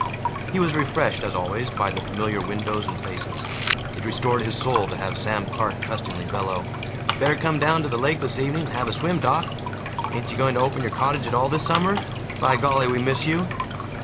He was refreshed, as always, by the familiar windows and faces. It restored his soul to have Sam Clark trustingly bellow, "Better come down to the lake this evening and have a swim, doc. Ain't you going to open your cottage at all, this summer? By golly, we miss you."